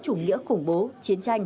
chủ nghĩa khủng bố chiến tranh